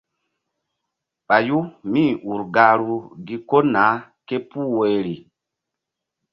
Ɓayu míur gahru gi ko nay képuh woyri.